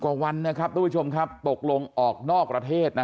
กว่าวันนะครับทุกผู้ชมครับตกลงออกนอกประเทศนะ